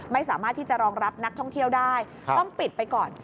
ไม่สามารถที่จะรองรับนักท่องเที่ยวได้ต้องปิดไปก่อน